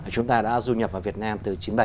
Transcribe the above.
chúng ta đã du nhập vào việt nam từ chín mươi bảy